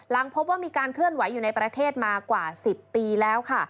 พบว่ามีการเคลื่อนไหวอยู่ในประเทศมากว่า๑๐ปีแล้วค่ะ